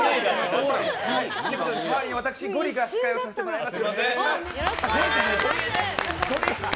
代わりに私、ゴリエが司会をさせていただきます。